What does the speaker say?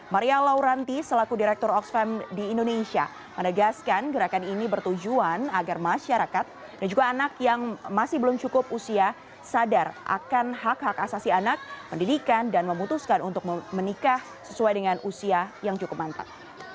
maria lauranti selaku direktur oxfam di indonesia menegaskan gerakan ini bertujuan agar masyarakat dan juga anak yang masih belum cukup usia sadar akan hak hak asasi anak pendidikan dan memutuskan untuk menikah sesuai dengan usia yang cukup mantap